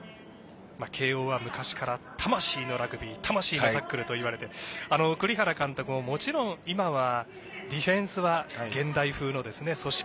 慶応は昔から魂のラグビー魂のタックルといわれて栗原監督も、もちろん今はディフェンスは現代風の組織